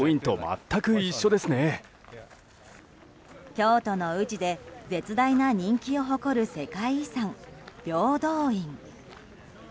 京都の宇治で絶大な人気を誇る世界遺産、平等院。